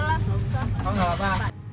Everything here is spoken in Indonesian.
oh enggak bapak